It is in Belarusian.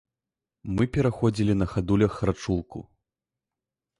Мы пераходзілі на хадулях рачулку.